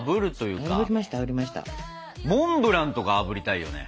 モンブランとかあぶりたいよね。